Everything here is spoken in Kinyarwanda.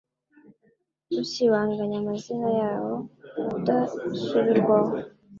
usibanganya amazina yabo ubudasubirwaho